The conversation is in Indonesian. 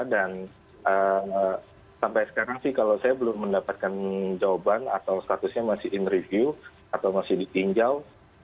dan sampai sekarang sih kalau saya belum mendapatkan jawaban atau statusnya masih in review atau masih di tinjau